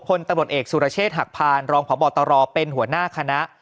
พลตำรวจเอกสุรเชษฐ์หักพานรองพบตรเป็นหัวหน้าคณะ